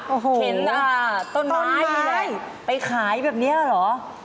เข็นต้นไม้ไปขายแบบนี้หรือ